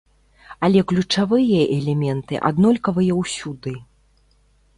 Але ключавыя элементы аднолькавыя ўсюды.